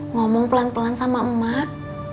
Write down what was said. ngomong pelan pelan sama umat